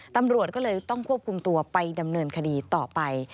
ตำรวจก็เลยต้องควบคุมตัวไปดำเนินคดีต่อไป